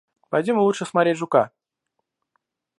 Пойдем лучше смотреть жука.